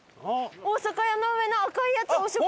「大阪屋」の上の赤いやつ「お食事」！